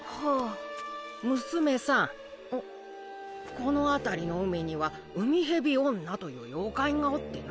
このあたりの海には「海蛇女」という妖怪がおってな。